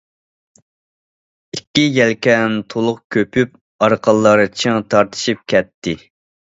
ئىككى يەلكەن تولۇق كۆپۈپ، ئارقانلار چىڭ تارتىشىپ كەتتى.